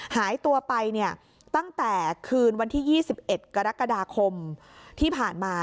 หายตัวไปเนี่ยตั้งแต่คืนวันที่๒๑กรกฎาคมที่ผ่านมา